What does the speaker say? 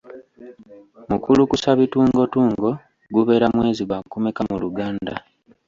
Mukulukusabitungotungo gubeera mwezi gwakumeka mu Luganda?.